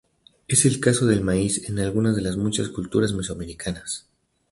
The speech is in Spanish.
Es el caso del maíz en algunas de las muchas culturas mesoamericanas.